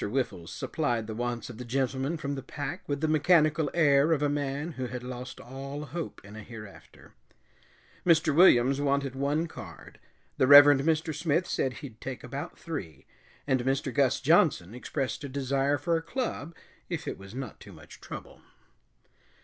Whiffles supplied the wants of the gentlemen from the pack with the mechanical air of a man who had lost all hope in a hereafter. Mr. Williams wanted one card, the Reverend Mr. Smith said he'd take about three, and Mr. Gus Johnson expressed a desire for a club, if it was not too much trouble.